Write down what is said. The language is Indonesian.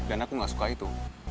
dan aku gak suka itu